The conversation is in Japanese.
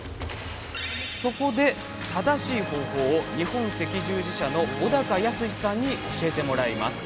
そこで、正しい方法を日本赤十字社の小高泰士さんに教えてもらいます。